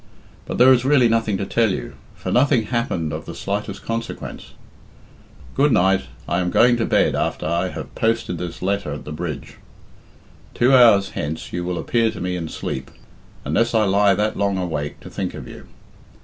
But there is really nothing to tell you, for nothing happened of the slightest consequence. Good night! I am going to bed after I have posted this letter at the bridge. Two hours hence you will appear to me in sleep, unless I lie that long awake to think of you.